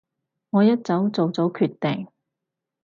我一早做咗決定